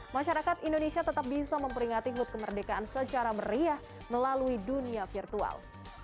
masyarakat indonesia tetap bisa memperingati hut kemerdekaan secara meriah melalui dunia virtual